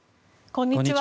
こんにちは。